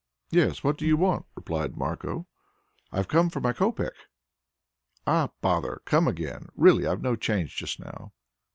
"Yes. What do you want?" replied Marko. "I've come for my copeck." "Ah, brother! come again. Really I've no change just now."